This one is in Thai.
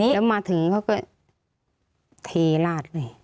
แล้วมาถึงเขาก็เทราดไง